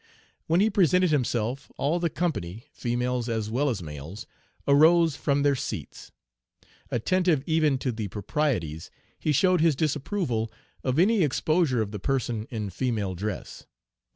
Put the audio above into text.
When he presented himself, all the company, females as well as males, arose from their seats. Attentive even to the proprieties, he showed his disapproval of any exposure of the person in female dress.